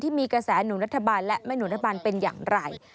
มีกระแสหนุนรัฐบาลและแม่หนุนรัฐบาลเป็นอย่างไร